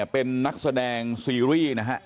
เป็นนักแสดงซีรีส์